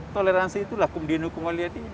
toleransi itu lakum dinukum waliyat ini